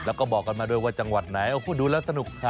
แล้วก็บอกกันมาด้วยว่าจังหวัดไหนพูดดูแล้วสนุกค่ะ